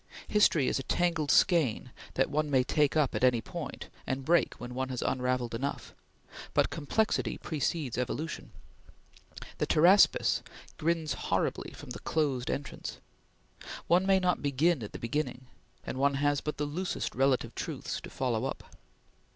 History is a tangled skein that one may take up at any point, and break when one has unravelled enough; but complexity precedes evolution. The Pteraspis grins horribly from the closed entrance. One may not begin at the beginning, and one has but the loosest relative truths to follow up.